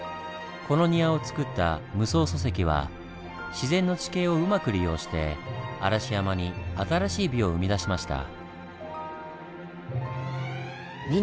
この庭をつくった夢窓疎石は自然の地形をうまく利用して嵐山に新しい美を生み出しました。